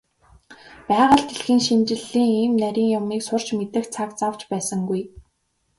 Байгаль дэлхийн шинжлэлийн ийм нарийн юмыг сурч мэдэх цаг зав ч байсангүй.